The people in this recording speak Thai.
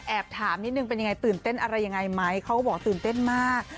ถามนิดนึงเป็นยังไงตื่นเต้นอะไรยังไงไหมเขาก็บอกตื่นเต้นมาก